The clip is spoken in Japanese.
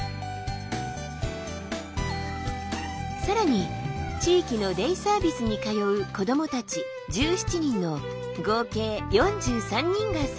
更に地域のデイサービスに通う子どもたち１７人の合計４３人が参加。